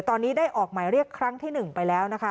ตอนนี้ได้ออกหมายเรียกครั้งที่๑ไปแล้วนะคะ